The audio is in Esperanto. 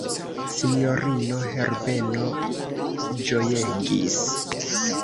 Sinjorino Herbeno ĝojegis.